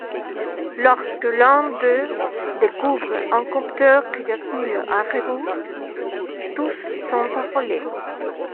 Lorsque l'un d'eux découvre un compteur qui défile à rebours, tous sont affolés.